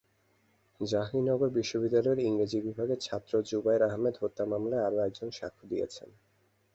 জাহাঙ্গীরনগর বিশ্ববিদ্যালয়ের ইংরেজি বিভাগের ছাত্র জুবায়ের আহমেদ হত্যা মামলায় আরও একজন সাক্ষ্য দিয়েছেন।